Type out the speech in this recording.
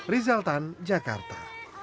rizal tan jakarta